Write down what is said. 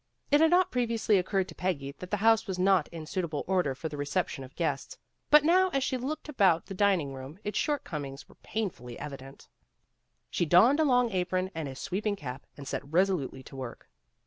It had not previously occurred to Peggy that the house was not in suitable order for the reception of guests, but now as she looked about the dining room its shortcomings were pain fully evident. She donned a long apron and a sweeping cap, and set resolutely to work.